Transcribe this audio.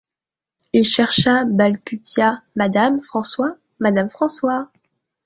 Il chercha, balbutia :— Madame François, madame François…